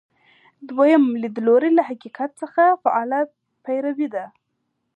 دویم لیدلوری له حقیقت څخه فعاله پیروي ده.